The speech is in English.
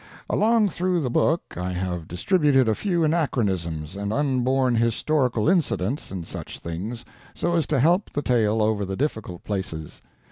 Along through the book I have distributed a few anachronisms and unborn historical incidents and such things, so as to help the tale over the difficult places.